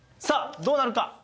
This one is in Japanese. さあどうなるか？